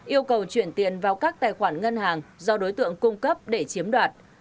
yêu cầu chuyển tiền vào các tài khoản ngân hàng do đối tượng cung cấp để chiếm đoạt